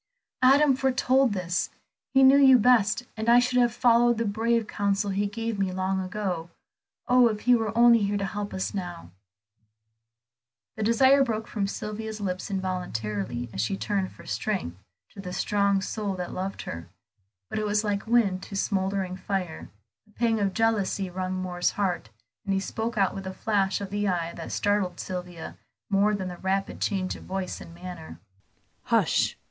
"Adam foretold this. He knew you best, and I should have followed the brave counsel he gave me long ago. Oh, if he were only here to help us now!" The desire broke from Sylvia's lips involuntarily as she turned for strength to the strong soul that loved her. But it was like wind to smouldering fire; a pang of jealousy wrung Moor's heart, and he spoke out with a flash of the eye that startled Sylvia more than the rapid change of voice and manner. "Hush!